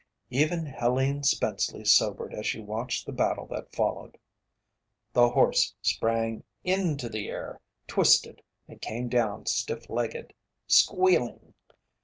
Even Helene Spenceley sobered as she watched the battle that followed. The horse sprang into the air, twisted, and came down stiff legged squealing.